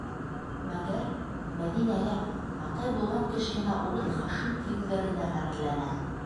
Мәгәр Мәҙинә лә атай булған кешеһенә «Урыҫ Хашим» тиеүҙәренә ғәрләнә.